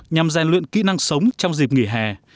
nhằm rèn luyện kỹ năng sống trong dịp nghỉ hè